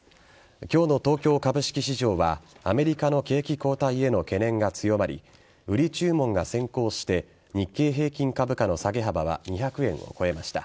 今日の東京株式市場はアメリカの景気後退への懸念が強まり売り注文が先行して日経平均株価の下げ幅は２００円を超えました。